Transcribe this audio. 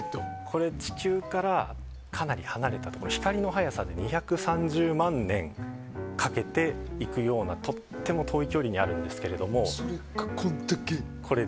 これ地球からかなり離れたところで光の速さで２３０万年かけて行くようなとても遠い距離にあるんですけど。